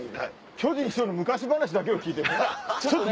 巨人師匠の昔話だけを聞いてね。